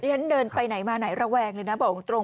ฉันเดินไปไหนมาไหนระแวงเลยนะบอกตรง